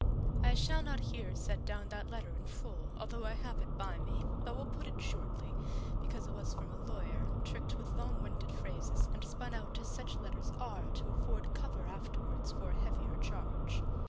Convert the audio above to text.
I shall not here set down that letter in full, although I have it by me, but will put it shortly, because it was from a lawyer, tricked with long winded phrases and spun out as such letters are to afford cover afterwards for a heavier charge.